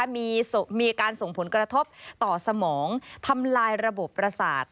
มีการส่งผลกระทบต่อสมองทำลายระบบประสาท